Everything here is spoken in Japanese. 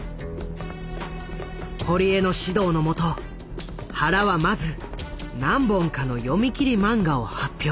堀江の指導のもと原はまず何本かの読み切り漫画を発表。